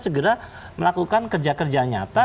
segera melakukan kerja kerja nyata